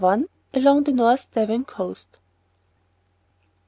ALONG THE NORTH DEVON COAST.